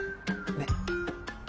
ねっ。